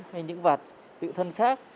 hay những vạt tự thân